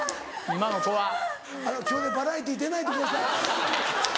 今日でバラエティー出ないでください。